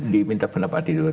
diminta pendapat itu dulu